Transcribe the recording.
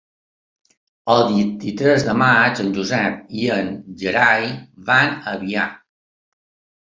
El vint-i-tres de maig en Josep i en Gerai van a Biar.